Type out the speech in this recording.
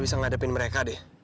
bisa kita cari